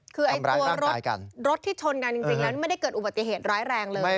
คือตัวรถที่ชนกันจริงแล้วไม่ได้เกิดอุบัติเหตุร้ายแรงเลย